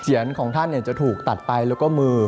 ของท่านจะถูกตัดไปแล้วก็มือ